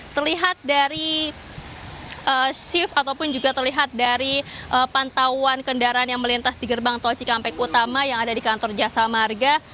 terlihat dari shift ataupun juga terlihat dari pantauan kendaraan yang melintas di gerbang tol cikampek utama yang ada di kantor jasa marga